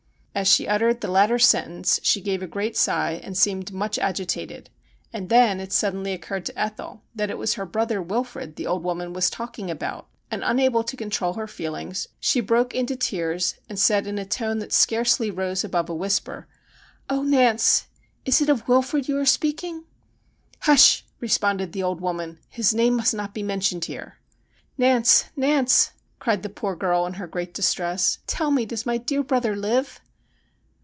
' As she uttered the latter sentence she gave a great sigh 112 STORIES WEIRD AND WONDERFUL and seemed much agitated, and then suddenly it occurred to Ethel that it was her brother Wilfrid the old woman was talking about ; and, unable to control her feelings, she broke into tears, and said in a tone that scarcely rose above a whisper :' Oh Nance ! is it of Wilfrid you are speaking ?'' Hush !' responded the old woman, ' his name must not be mentioned here.' 'Nance, Nance,' cried the poor girl in her great distress. ' tell me, does my dear brother live